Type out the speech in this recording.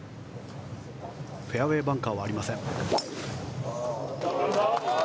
フェアウェーバンカーはありません。